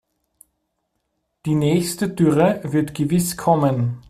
Die nächste Dürre wird gewiss kommen.